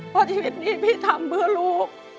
เพราะชีวิตนี้พี่ทำเพื่อลูก